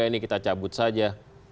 ini kita cabut saja